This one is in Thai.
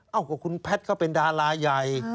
เอ้าก็คุณแพทย์เขาเป็นดาราใหญ่